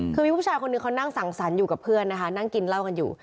คือมีผู้ชายคนหนึ่งเขานั่งสั่งสรรค์อยู่กับเพื่อนนะคะนั่งกินเหล้ากันอยู่